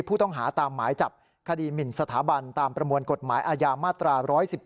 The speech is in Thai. ผู้ต้องหาตามหมายจับคดีหมินสถาบันตามประมวลกฎหมายอาญามาตรา๑๑๒